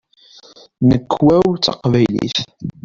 Nnekwa-w d taqbaylit.